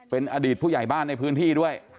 เป็นอดีตผู้ใหญ่บ้านในพื้นที่ด้วย